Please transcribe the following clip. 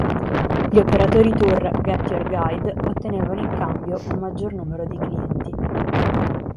Gli operatori tour GetYourGuide ottenevano in cambio un maggior numero di clienti.